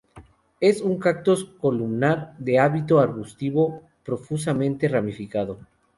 Es un cactus columnar de hábito arbustivo, profusamente ramificado.